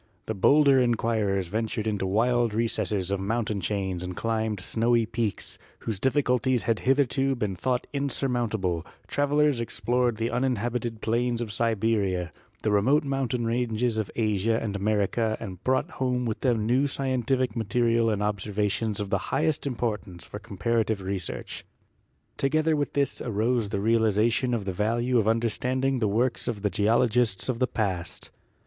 The bolder inquirers ventured into wild recesses of mountain chains and climbed snowy peaks, whose difficulties had hitherto been thought insurmount able; travelers explored the uninhabited plains of Siberia, the remote mountain ranges of Asia and America and brought home with them new scientific material and ob servations of the highest importance for comparative re search. Together with this arose the realization of the value of understanding the works of the geologists of the past.